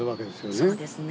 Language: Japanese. そうですね。